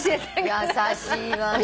優しいわね。